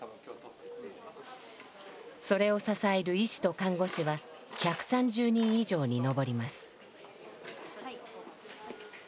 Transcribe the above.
それを支える医師と看護師は１３０人以上に上ります。